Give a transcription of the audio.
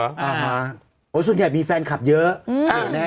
อ่าโอ้ยส่วนใหญ่มีแฟนคลับเยอะ